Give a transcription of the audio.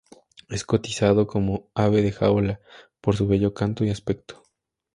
Es cotizado como ave de jaula por su bello canto y aspecto.